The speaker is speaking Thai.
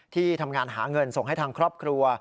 ที่ทำงานหาเงินส่งให้ทางครอบครัว